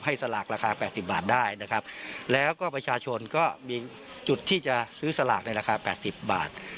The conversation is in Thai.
สลากราคา๘๐บาทได้นะครับแล้วก็ประชาชนก็มีจุดที่จะซื้อสลากในราคา๘๐บาท